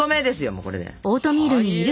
もうこれで。